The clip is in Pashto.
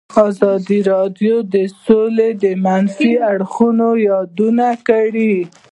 ازادي راډیو د سوله د منفي اړخونو یادونه کړې.